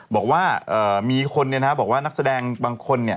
บอกว่ามีคนบอกว่านักแสดงบางคน